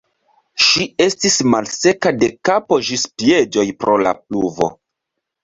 Ŝi estis malseka de kapo ĝis piedoj pro la pluvo.